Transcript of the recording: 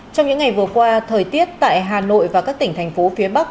trong những ngày vừa qua thời tiết tại hà nội và các tỉnh thành phố phía bắc